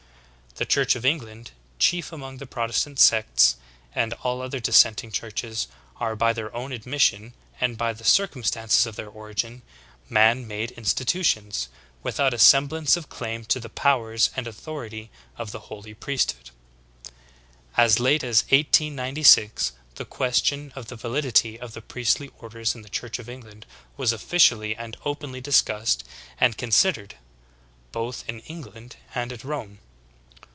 The Church of England, chief among the Protestant sects, and all other dissenting churches, are by their own admission and by the circum stances of their origin, man made institutions, without a sem blance of claim to the powers and authority of the holy priesthood. 25. As late as 1896 the question of the validity of the priestly orders in the Church of England was officially and openly discussed and considered, both in England and at Rome.